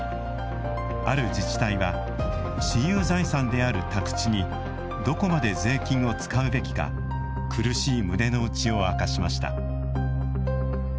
ある自治体は私有財産である宅地にどこまで税金を使うべきか苦しい胸の内を明かしました。